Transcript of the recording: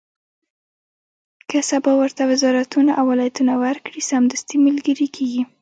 که سبا ورته وزارتونه او ولایتونه ورکړي، سمدستي ملګري کېږي.